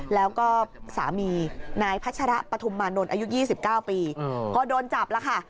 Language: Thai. แล้วก็สามีนายพัชระปฐุมมานนท์อายุ๒๙ปีพอโดนจับแล้วค่ะ